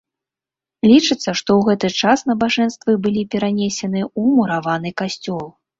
Лічыцца, што ў гэты час набажэнствы былі перанесены ў мураваны касцёл.